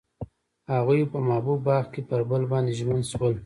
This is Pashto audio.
هغوی په محبوب باغ کې پر بل باندې ژمن شول.